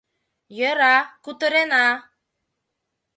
— Йӧра, кутырена.